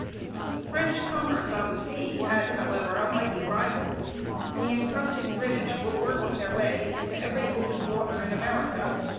French commerce on the sea had, however, a mighty rival. The encroaching British were working their way into every open water in America.